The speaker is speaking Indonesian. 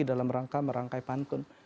dalam rangka merangkai pantun